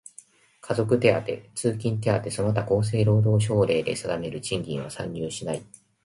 家族手当、通勤手当その他厚生労働省令で定める賃金は算入しない。